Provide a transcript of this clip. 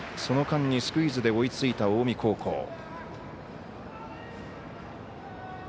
その間にスクイズで追いついた近江高校。